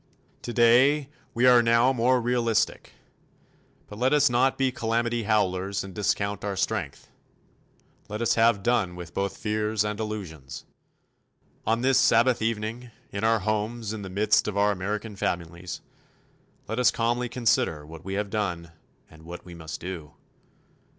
Today we are now more realistic. But let us not be calamity howlers and discount our strength. Let us have done with both fears and illusions. On this Sabbath evening, in our homes in the midst of our American families, let us calmly consider what we have done and what we must do.